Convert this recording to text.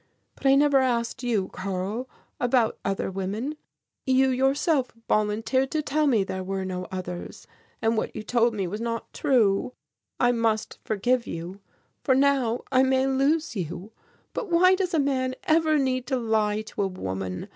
But I never asked you, Karl, about other women; you yourself volunteered to tell me there were no others, and what you told me was not true. I must forgive you, for now I may lose you, but why does a man ever need to lie to a woman?